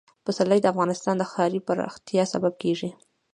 پسرلی د افغانستان د ښاري پراختیا سبب کېږي.